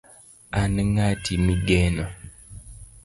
an ng'ati migeno